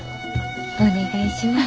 お願いします。